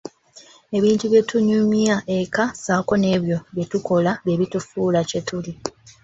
Ebintu bye tunyumya eka ssaako n'ebyo bye tukola bye bitufuula kye tuli.